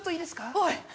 おい。